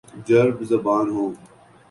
چرب زبان ہوں